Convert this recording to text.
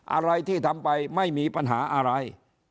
อะไรที่ทำไปไม่มีปัญหาอะไร